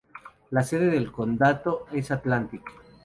La sede del condado es Atlantic.